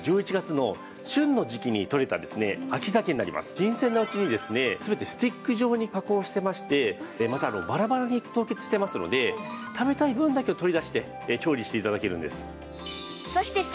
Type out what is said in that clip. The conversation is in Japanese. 新鮮なうちにですね全てスティック状に加工してましてまたバラバラに凍結してますので食べたい分だけを取り出して調理して頂けるんです。